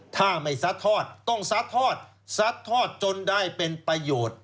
ถ้าไม่ซัดทอดต้องซัดทอดซัดทอดจนได้เป็นประโยชน์